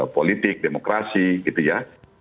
politik demokrasi gitu ya